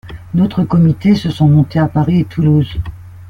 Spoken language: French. D'autres comités se sont montés à Paris et Toulouse.